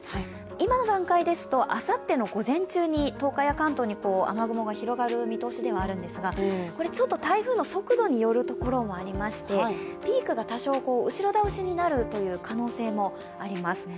今の段階ですとあさっての午前中に東海や関東に雨雲が広がる見通しではあるんですが、これ、台風の速度によるところもありましてピークが多少後ろ倒しになる可能性もあります。